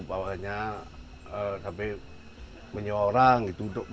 awalnya sampai menyuruh orang gitu